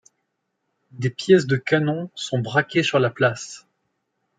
Des pièces de canon sont braquées sur la Place.